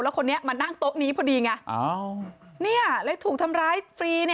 คนนี้มานั่งโต๊ะนี้พอดีไงเลยถูกทำร้ายฟรี